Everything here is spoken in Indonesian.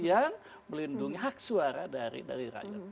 yang melindungi hak suara dari rakyat